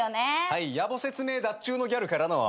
はいやぼ説明だっちゅーのギャルからの。